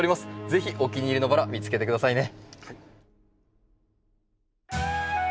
是非お気に入りのバラ見つけて下さいね。